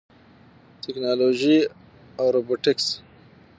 ټیکنالوژي او روبوټکس